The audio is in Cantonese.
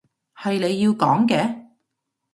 係你要講嘅